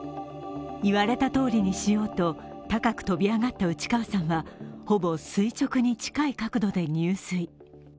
言われたとおりにしようと高く飛び上がった内川さんはほぼ垂直に近い角度で入水。